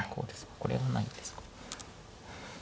これがないんですか。